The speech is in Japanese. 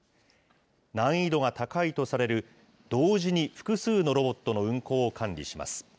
難易度が高いとされる、同時に複数のロボットの運行を管理します。